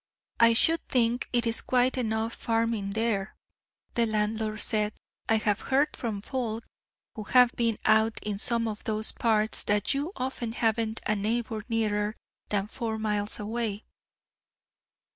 "I should think it is quiet enough farming there," the landlord said. "I have heard from folk who have been out in some of those parts that you often haven't a neighbour nearer than four miles away."